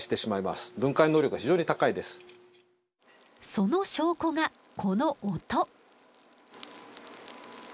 その証拠がこの音。